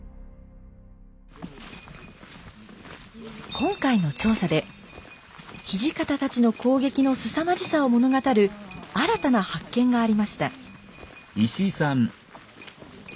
今回の調査で土方たちの攻撃のすさまじさを物語る新たな発見がありました。